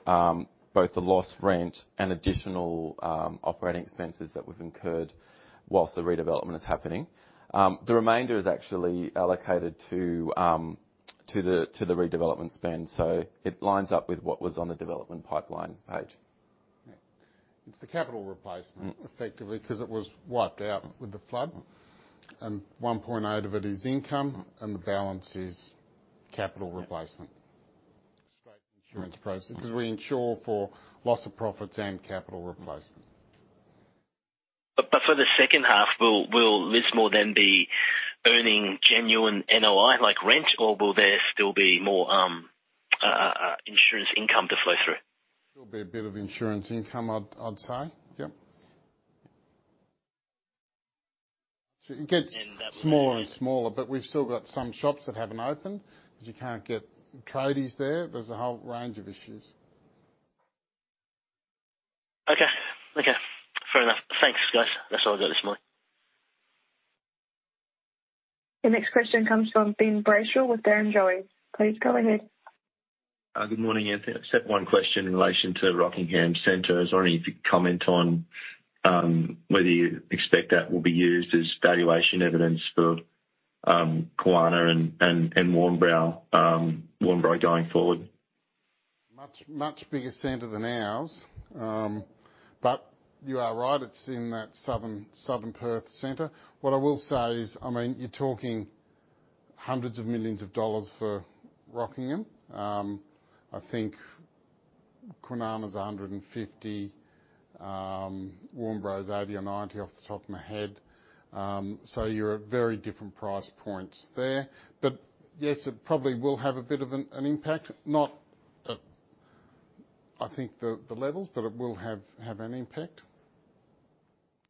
both the lost rent and additional operating expenses that we've incurred whilst the redevelopment is happening. The remainder is actually allocated to the redevelopment spend. It lines up with what was on the development pipeline page. Yeah. It's the capital replacement- Mm. effectively 'cause it was wiped out with the flood. 1.8 of it is income, and the balance is capital replacement. Straight insurance process. We insure for loss of profits and capital replacement. For the second half, will Lismore then be earning genuine NOI like rent, or will there still be more insurance income to flow through? There'll be a bit of insurance income, I'd say. Yeah. It gets smaller and smaller, but we've still got some shops that haven't opened, because you can't get tradies there. There's a whole range of issues. Okay. Okay. Fair enough. Thanks, guys. That's all I've got this morning. The next question comes from Ben Brayshaw with Barrenjoey. Please go ahead. Good morning, Anthony. I just have one question in relation to Rockingham Centre. If you could comment on whether you expect that will be used as valuation evidence for Kwinana and Warnbro going forward? Much, much bigger centre than ours. You are right. It's in that southern Perth centre. What I will say is, I mean, you're talking AUD hundreds of millions of dollars for Rockingham. I think Kwinana's 150 million. Warnbro is 80 million or 90 million off the top of my head. You're at very different price points there. Yes, it probably will have a bit of an impact. Not at, I think, the levels, but it will have an impact.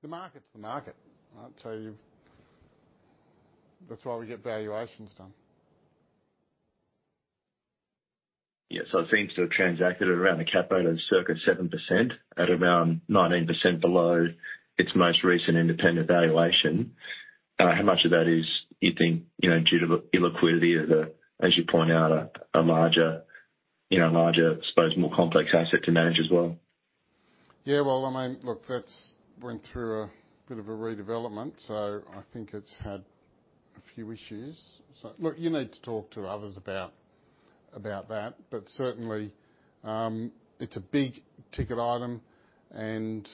The market's the market. Right? That's why we get valuations done. Yeah. It seems to have transacted at around a cap rate of circa 7% at around 19% below its most recent independent valuation. How much of that is, you think, you know, due to illiquidity as a, as you point out, a larger, you know, a larger, I suppose, more complex asset to manage as well? Yeah. Well, I mean, look, that's went through a bit of a redevelopment, so I think it's had a few issues. Look, you need to talk to others about that, but certainly, it's a big-ticket item, and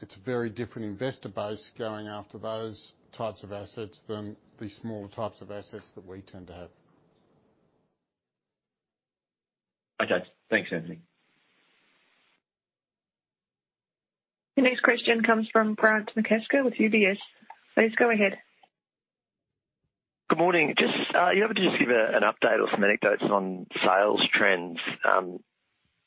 it's a very different investor base going after those types of assets than the smaller types of assets that we tend to have. Okay. Thanks, Anthony. The next question comes from Grant McCasker with UBS. Please go ahead. Good morning. Just, are you able to just give an update or some anecdotes on sales trends? I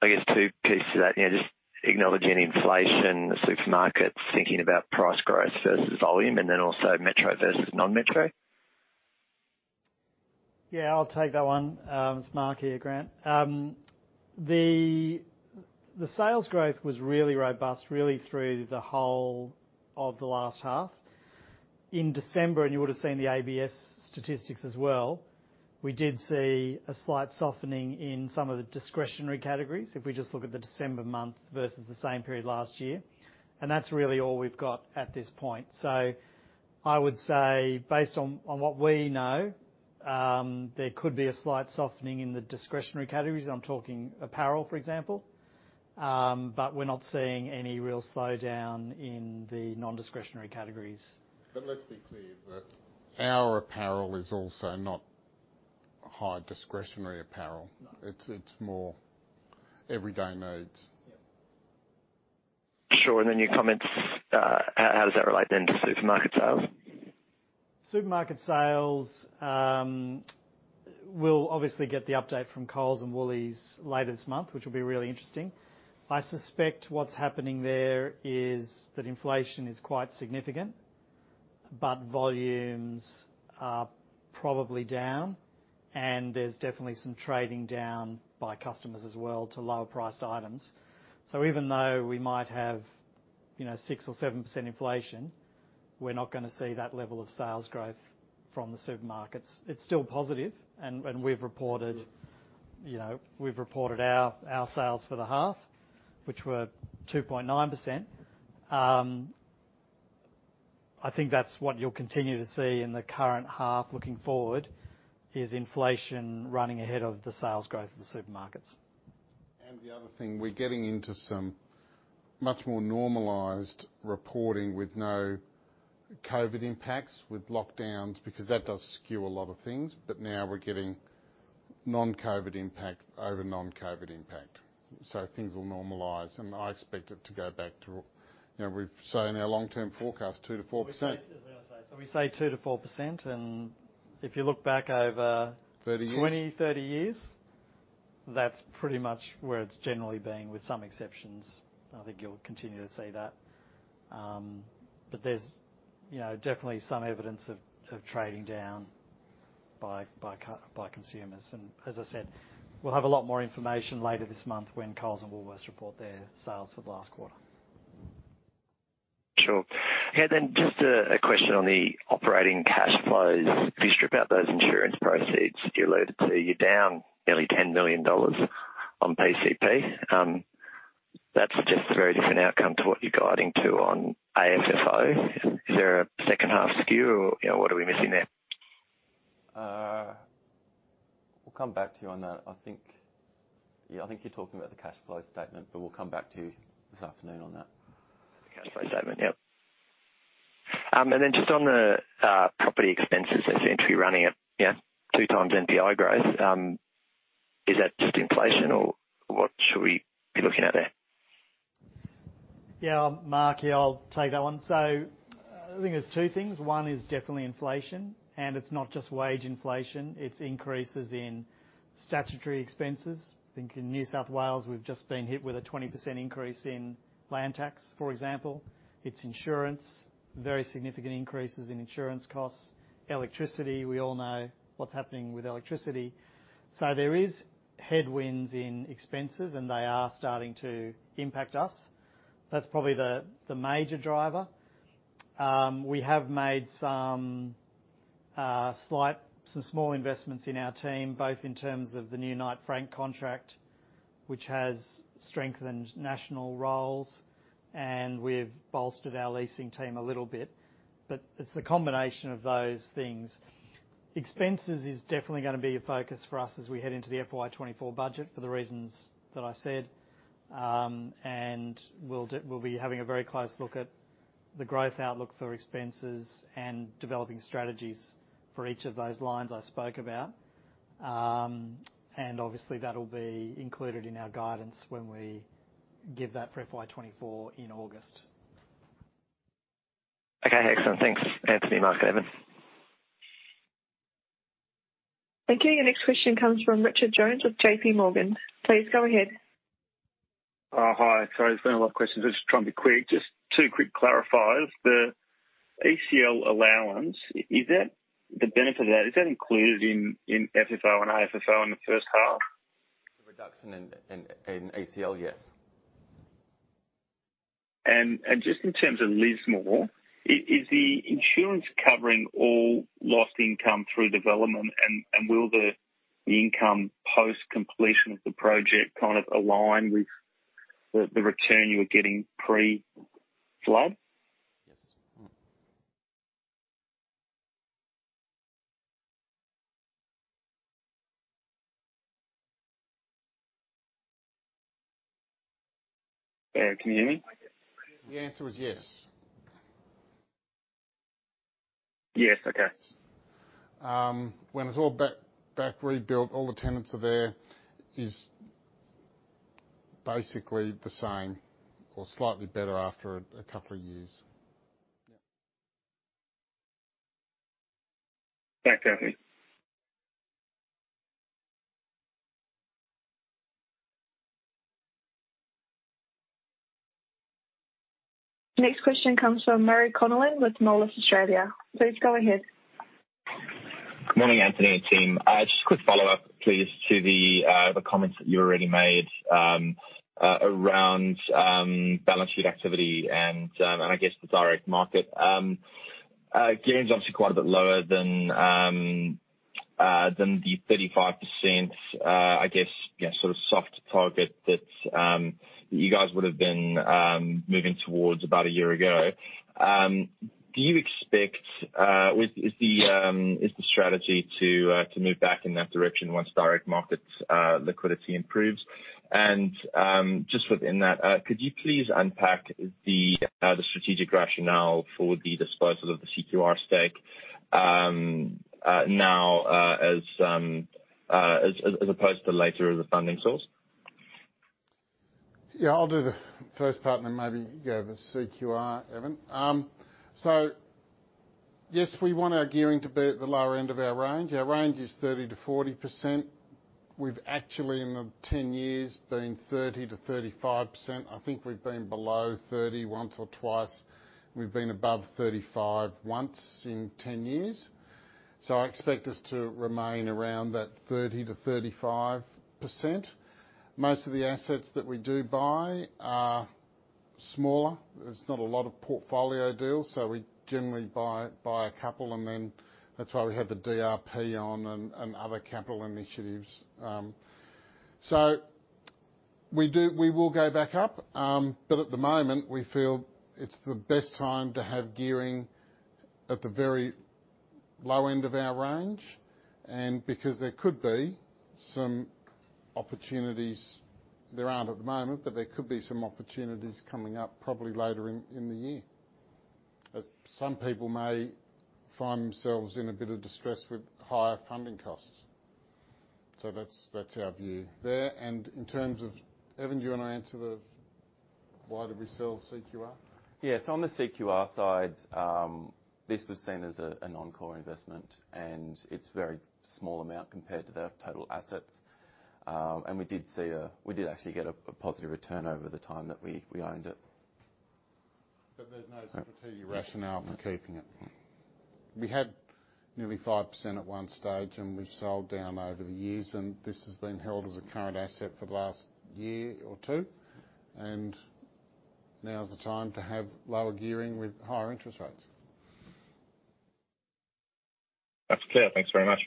guess two pieces to that. You know, just acknowledging inflation, the supermarkets, thinking about price growth versus volume and then also metro versus non-metro? Yeah, I'll take that one. It's Mark here, Grant. The sales growth was really robust, really through the whole of the last half. In December, you would've seen the ABS statistics as well, we did see a slight softening in some of the discretionary categories, if we just look at the December month versus the same period last year. That's really all we've got at this point. I would say based on what we know, there could be a slight softening in the discretionary categories. I'm talking apparel, for example. We're not seeing any real slowdown in the non-discretionary categories. Let's be clear that our apparel is also not high discretionary apparel. No. It's more everyday needs. Yeah. Sure. Then your comments, how does that relate then to supermarket sales? Supermarket sales, we'll obviously get the update from Coles and Woolworths later this month, which will be really interesting. I suspect what's happening there is that inflation is quite significant, but volumes are probably down, and there's definitely some trading down by customers as well to lower priced items. Even though we might have, you know, 6% or 7% inflation, we're not gonna see that level of sales growth from the supermarkets. It's still positive and we've reported, you know, we've reported our sales for the half, which were 2.9%. I think that's what you'll continue to see in the current half looking forward, is inflation running ahead of the sales growth in supermarkets. The other thing, we're getting into some much more normalized reporting with no COVID impacts with lockdowns, because that does skew a lot of things. Now we're getting non-COVID impact over non-COVID impact, so things will normalize. I expect it to go back to, you know, we've say in our long-term forecast, 2%-4%. We say 2%-4%, and if you look back. 30 years.... 20, 30 years, that's pretty much where it's generally been, with some exceptions. I think you'll continue to see that. But there's, you know, definitely some evidence of trading down by consumers. As I said, we'll have a lot more information later this month when Coles and Woolworths report their sales for the last quarter. Sure. Yeah, just a question on the operating cash flows. If you strip out those insurance proceeds you alluded to, you're down nearly 10 million dollars on PCP. That's just a very different outcome to what you're guiding to on AFFO. Is there a second half skew or what are we missing there? We'll come back to you on that. I think you're talking about the cash flow statement. We'll come back to you this afternoon on that. Cash flow statement, yep. Just on the property expenses, that's essentially running at two times NPI growth. Is that just inflation or what should we be looking at there? Mark, I'll take that one. I think there's two things. One is definitely inflation, and it's not just wage inflation, it's increases in statutory expenses. I think in New South Wales, we've just been hit with a 20% increase in land tax, for example. It's insurance, very significant increases in insurance costs. Electricity, we all know what's happening with electricity. There is headwinds in expenses, and they are starting to impact us. That's probably the major driver. We have made some small investments in our team, both in terms of the new Knight Frank contract, which has strengthened national roles, and we've bolstered our leasing team a little bit. It's the combination of those things. Expenses is definitely gonna be a focus for us as we head into the FY24 budget for the reasons that I said. We'll be having a very close look at the growth outlook for expenses and developing strategies for each of those lines I spoke about. Obviously that'll be included in our guidance when we give that for FY24 in August. Okay, excellent. Thanks, Anthony, Mark, Evan. Okay. Your next question comes from Richard Jones with JPMorgan. Please go ahead. Hi. Sorry, there's been a lot of questions. I'm just trying to be quick. Just two quick clarifiers. The ACL allowance, is that the benefit of that, is that included in FFO and AFFO in the first half? The reduction in ACL, yes. Just in terms of Lismore, is the insurance covering all lost income through development? Will the income post-completion of the project kind of align with the return you were getting pre-flood? Yes. Can you hear me? The answer is yes. Yes. Okay. When it's all back rebuilt, all the tenants are there, is basically the same or slightly better after a couple of years. Yeah. Thanks, Anthony. Next question comes from Murray Connellan with Moelis Australia. Please go ahead. Good morning, Anthony and team. Just a quick follow-up, please, to the comments that you already made around balance sheet activity and I guess the direct market. Gains obviously quite a bit lower than the 35%, I guess, yeah, sort of soft target that you guys would have been moving towards about a year ago. Do you expect, is the strategy to move back in that direction once direct markets liquidity improves? Just within that, could you please unpack the strategic rationale for the disposal of the CQR stake now as opposed to later as a funding source? I'll do the first part and then maybe you have the CQR, Evan. Yes, we want our gearing to be at the lower end of our range. Our range is 30%-40%. We've actually, in the 10 years, been 30%-35%. I think we've been below 30% once or twice. We've been above 35% once in 10 years. I expect us to remain around that 30%-35%. Most of the assets that we do buy are smaller. There's not a lot of portfolio deals, we generally buy a couple, and then that's why we have the DRP on and other capital initiatives. We will go back up. At the moment, we feel it's the best time to have gearing at the very low end of our range. Because there could be some opportunities, there aren't at the moment, but there could be some opportunities coming up probably later in the year. As some people may find themselves in a bit of distress with higher funding costs. That's our view there. In terms of, Evan, do you wanna answer the why did we sell CQR? Yes. On the CQR side, this was seen as a non-core investment. It's very small amount compared to their total assets. We did actually get a positive return over the time that we owned it. There's no strategic rationale for keeping it. We had nearly 5% at one stage, and we sold down over the years, and this has been held as a current asset for the last year or two, and now is the time to have lower gearing with higher interest rates. That's clear. Thanks very much.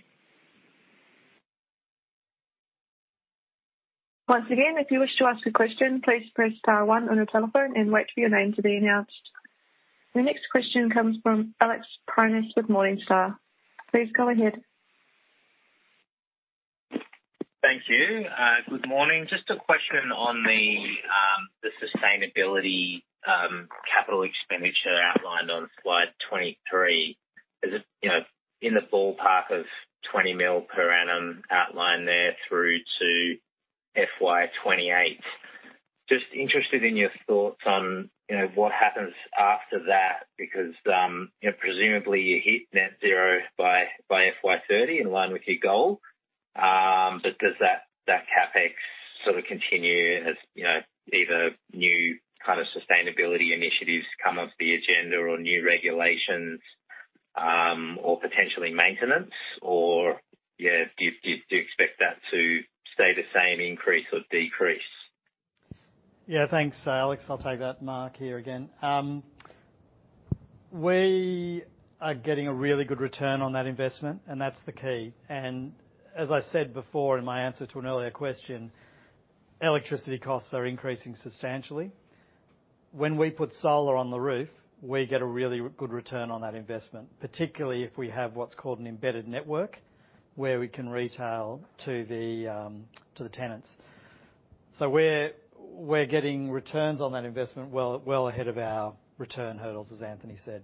Once again, if you wish to ask a question, please press star one on your telephone and wait for your name to be announced. The next question comes from Alex Prineas with Morningstar. Please go ahead. Thank you. Good morning. Just a question on the sustainability capital expenditure outlined on slide 23. Is it, you know, in the ballpark of 20 million per annum outlined there through to FY28? Just interested in your thoughts on, you know, what happens after that because, you know, presumably you hit net zero by FY30 in line with your goal. Does that CapEx sort of continue as, you know, either new kind of sustainability initiatives come up the agenda or new regulations, or potentially maintenance, or, yeah, do you expect that to stay the same increase or decrease? Yeah. Thanks, Alex. I'll take that. Mark here again. We are getting a really good return on that investment, and that's the key. As I said before in my answer to an earlier question, electricity costs are increasing substantially. When we put solar on the roof, we get a really good return on that investment, particularly if we have what's called an embedded network, where we can retail to the tenants. We're getting returns on that investment well, well ahead of our return hurdles, as Anthony said.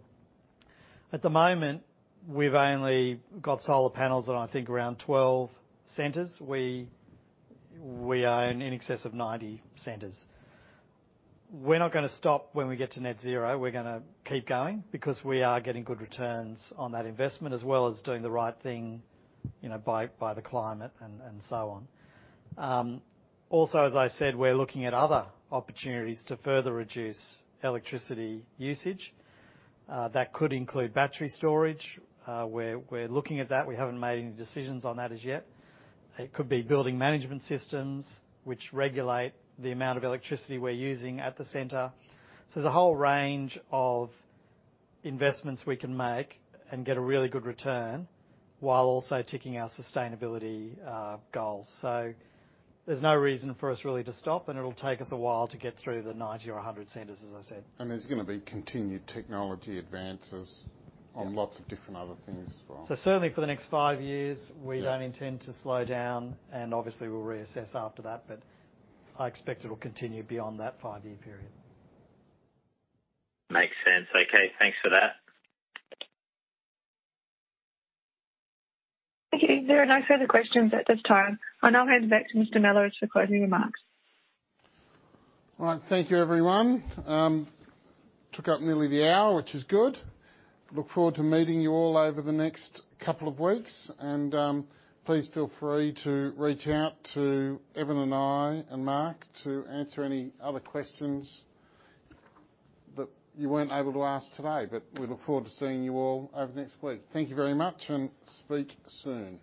At the moment, we've only got solar panels on, I think, around 12 centers. We own in excess of 90 centers. We're not gonna stop when we get to net zero. We're gonna keep going because we are getting good returns on that investment, as well as doing the right thing, you know, by the climate and so on. Also, as I said, we're looking at other opportunities to further reduce electricity usage. That could include battery storage. We're looking at that. We haven't made any decisions on that as yet. It could be building management systems which regulate the amount of electricity we're using at the center. There's a whole range of investments we can make and get a really good return while also ticking our sustainability goals. There's no reason for us really to stop, it'll take us a while to get through the 90 or 100 centers, as I said. There's gonna be continued technology advances- Yeah ...on lots of different other things as well. certainly for the next five years- Yeah ...we don't intend to slow down, and obviously we'll reassess after that, but I expect it'll continue beyond that five-year period. Makes sense. Okay. Thanks for that. Thank you. There are no further questions at this time. I now hand back to Anthony Mellowes for closing remarks. All right. Thank you, everyone. Took up nearly the hour, which is good. Look forward to meeting you all over the next couple of weeks, please feel free to reach out to Evan and I and Mark to answer any other questions that you weren't able to ask today. We look forward to seeing you all over the next week. Thank you very much, and speak soon.